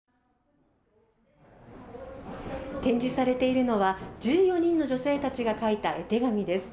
展示されているのは１４人の女性たちが描いた絵手紙です。